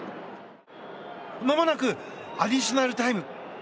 まもなくアディショナルタイム。